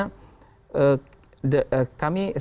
kami saya melihat sejumlah data di dalamnya